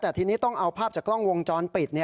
แต่ทีนี้ต้องเอาภาพจากกล้องวงจรปิด